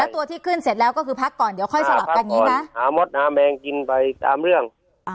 ตัวที่ขึ้นเสร็จแล้วก็คือพักก่อนเดี๋ยวค่อยสลับกันอย่างนี้นะหามดหาแมงกินไปตามเรื่อง